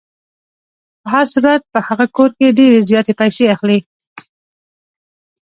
په هر صورت په هغه کور کې ډېرې زیاتې پیسې اخلي.